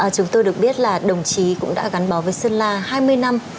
chúng tôi được biết là đồng chí cũng đã gắn bó với sơn la hai mươi năm